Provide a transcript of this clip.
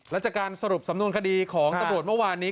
และจากการสรุปสำนวนคดีของตำรวจเมื่อวานนี้